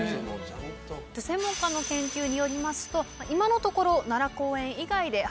専門家の研究によりますと今のところ。とのことです。